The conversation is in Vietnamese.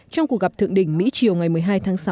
trong cuộc gặp thượng đỉnh mỹ chiều ngày một mươi hai tháng sáu